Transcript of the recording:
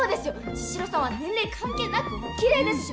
茅代さんは年齢関係なくおきれいですし。